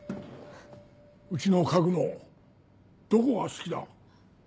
うちの家具のどこが好きだ？